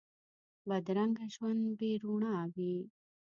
بدرنګه ژوند بې روڼا وي